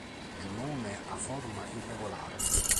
Giunone ha forma irregolare.